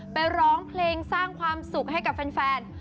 ร้องเพลงสร้างความสุขให้กับแฟน